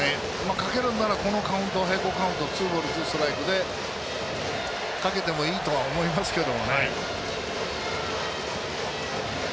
かけるのならこのカウント、並行カウントツーボールツーストライクでかけてもいいとは思いますけど。